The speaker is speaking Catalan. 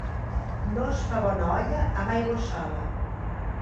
No es fa bona olla amb aigua sola.